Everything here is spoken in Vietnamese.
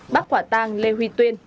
bắt quả tang lê huy tuyên